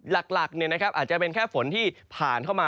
หลักเนี่ยนะครับอาจจะเป็นแค่ฝนที่ผ่านเข้ามา